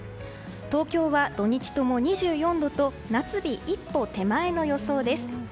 東京は土日とも２４度と夏日一歩手前の予想です。